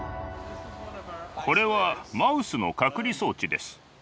これはマウスの隔離装置です。